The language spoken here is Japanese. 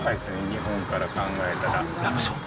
日本から考えたら。